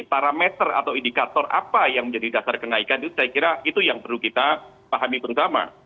parameter atau indikator apa yang menjadi dasar kenaikan itu saya kira itu yang perlu kita pahami bersama